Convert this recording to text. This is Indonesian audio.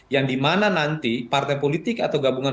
yang dimana nanti partai politik atau gabungan